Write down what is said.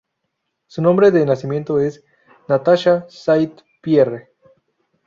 Su nombre de nacimiento es "Natasha Saint-Pierre".